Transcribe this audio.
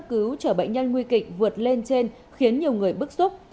các cứu trở bệnh nhân nguy kịch vượt lên trên khiến nhiều người bức xúc